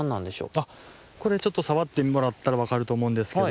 あっこれちょっとさわってもらったらわかるとおもうんですけど。